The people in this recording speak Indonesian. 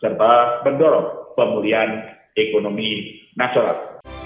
serta mendorong pemulihan ekonomi nasional